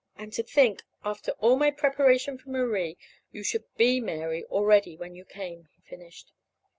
"And to think, after all my preparation for Marie, you should be Mary already, when you came," he finished.